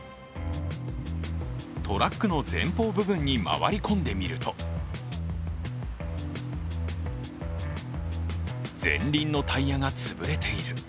トラックの前方部分に回り込んでみると前輪のタイヤが潰れている。